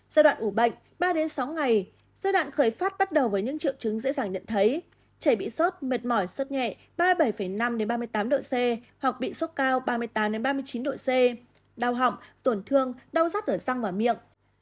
giai đoạn ủ bệnh ba sáu ngày giai đoạn khởi phát bắt đầu với những triệu chứng dễ dàng nhận thấy trẻ bị sốt mệt mỏi suốt nhẹ ba mươi bảy năm ba mươi tám độ c hoặc bị sốt cao ba mươi tám ba mươi chín độ c đau họng tổn thương đau rắt ở xăng và miệng